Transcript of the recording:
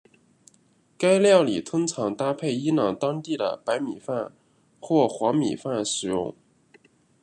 该料理通常搭配伊朗当地的白米饭或黄米饭食用。